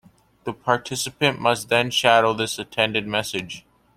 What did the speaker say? The participant must then shadow this attended message.